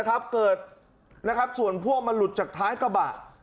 เกิดส่วนพ่วงมันหลุดจากท้ายกระบะ